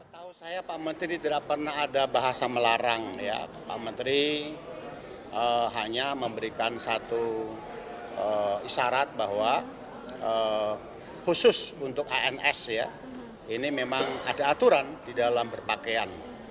tahu saya pak menteri tidak pernah ada bahasa melarang ya pak menteri hanya memberikan satu isyarat bahwa khusus untuk asn ini memang ada aturan di dalam berpakaian